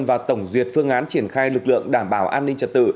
và tổng duyệt phương án triển khai lực lượng đảm bảo an ninh trật tự